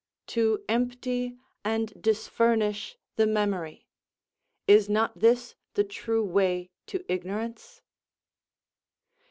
To empty and disfurnish the memory, is not this the true way to ignorance?